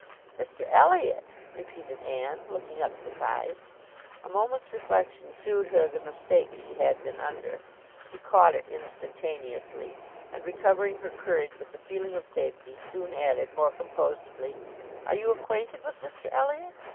"Mr Elliot!" repeated Anne, looking up surprised. A moment's reflection shewed her the mistake she had been under. She caught it instantaneously; and recovering her courage with the feeling of safety, soon added, more composedly, "Are you acquainted with Mr Elliot?"